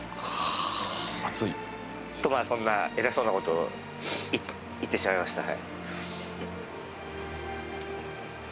まぁそんな偉そうなことを言ってしまいました。